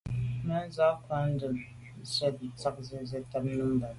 Mɛ́n cwɛ̌d krwâ' ndɛ̂mbə̄ á cwɛ̌d tsjɑ́ŋə́ zə̄ tâp bû mâp.